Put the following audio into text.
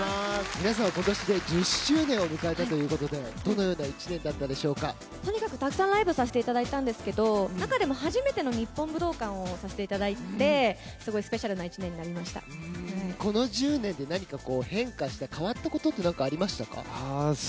皆さんは今年で１０周年を迎えたということでどのようなとにかくたくさんライブをさせていただいたんですが中でも初めての日本武道館をさせていただいてこの１０年で何か変化した変わったことは何かありましたか？